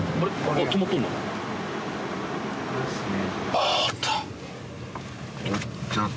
あれですね。